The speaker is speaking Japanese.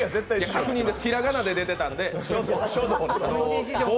確認です、ひらがなで出てたんで。